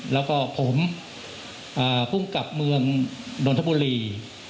และผมพุ่งกับเมืองดนทบุรี